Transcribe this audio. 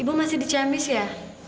ibu masih di ciamis ya